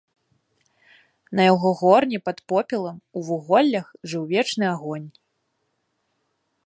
На яго горне пад попелам у вуголлях жыў вечны агонь.